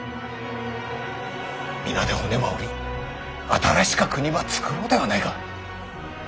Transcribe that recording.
皆で骨ば折り新しか国ば作ろうではないか。